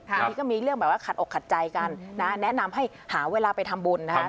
บางทีก็มีเรื่องแบบว่าขัดอกขัดใจกันนะแนะนำให้หาเวลาไปทำบุญนะครับ